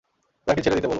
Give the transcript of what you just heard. তাকে ছেড়ে দিতে বলো!